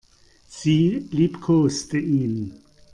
Sie liebkoste ihn.